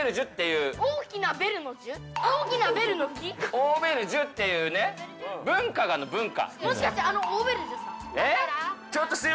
オーベルジュっていう文化があるの、文化。